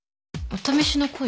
お試しの恋？